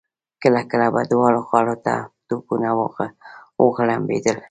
کله کله به دواړو غاړو ته توپونه وغړمبېدل.